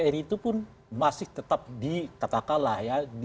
dpr itu pun masih tetap dikatakalah ya